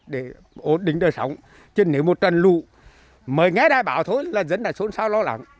để ổn định đời sống chứ nếu một trần lù mời nghe đại bảo thôi dân lại sống sao lo lắng